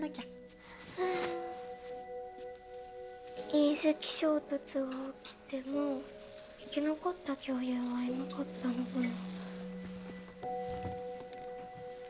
隕石衝突が起きても生き残った恐竜はいなかったのかな？